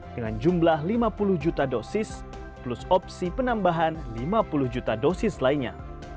dengan jumlah lima puluh juta dosis plus opsi penambahan lima puluh juta dosis lainnya